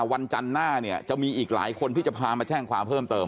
วันจันทร์หน้าเนี่ยจะมีอีกหลายคนที่จะพามาแจ้งความเพิ่มเติม